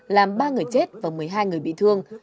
làm ba người chết và một mươi hai người bị thương